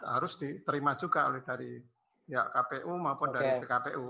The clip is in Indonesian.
harus diterima juga oleh dari kpu maupun dari pkp